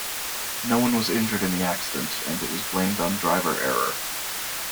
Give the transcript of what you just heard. No one was injured in the accident, and it was blamed on driver error.